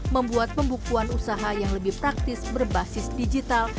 membuat pembukuan usaha yang lebih praktis berbasis digital